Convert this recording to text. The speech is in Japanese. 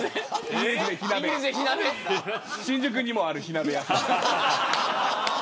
新宿にもある火鍋屋さん。